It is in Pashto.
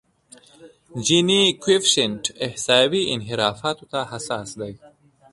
جیني کویفشینټ احصایوي انحرافاتو ته حساس دی.